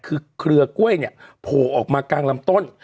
คือเครือกล้วยเนี่ยโผล่ออกมากลางลำต้น